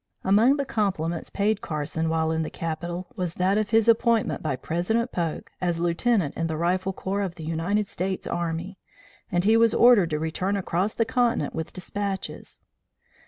Among the compliments paid Carson while in the capital was that of his appointment by President Polk, as lieutenant in the rifle corps of the United States army, and he was ordered to return across the continent with despatches.